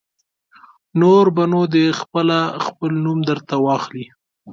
نور به نو دی خپله خپل نوم در ته واخلي.